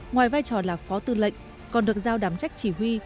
ngoài vai trò là phó tư lệnh còn được giao đảm trách chỉ huy